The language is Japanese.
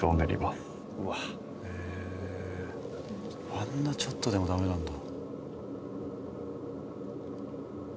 あんなちょっとでもダメなんだ。